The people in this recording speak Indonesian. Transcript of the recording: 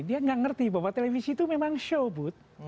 dia nggak ngerti bahwa televisi itu memang show boot